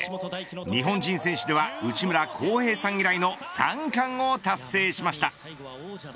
日本人選手では内村航平さん以来の３冠を達成しました。